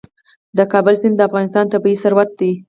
د کابل سیند د افغانستان طبعي ثروت دی.